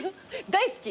大好き。